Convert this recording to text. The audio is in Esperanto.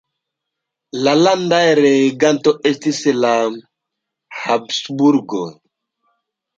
La landaj regantoj estis la Habsburgoj.